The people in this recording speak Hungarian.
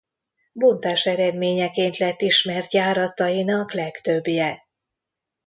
Bontás eredményeként lett ismert járatainak legtöbbje.